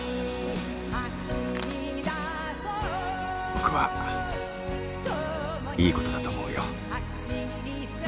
僕はいいことだと思うよ初めては。